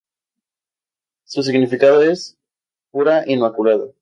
Su significado es "pura, inmaculada".